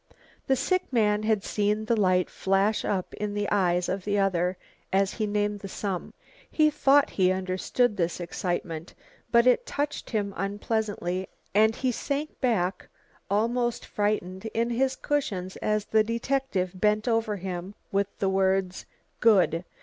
The sick man had seen the light flash up in the eyes of the other as he named the sum. He thought he understood this excitement, but it touched him unpleasantly and he sank back, almost frightened, in his cushions as the detective bent over him with the words "Good.